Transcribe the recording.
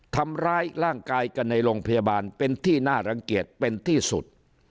ทำร้ายร่างกายกันในโรงพยาบาลเป็นที่น่ารังเกียจเป็นที่สุด